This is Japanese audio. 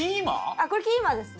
あっこれキーマですね。